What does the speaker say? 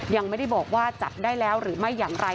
ยังไม่ได้บอกว่าจับได้แล้วหรือไม่อย่างไร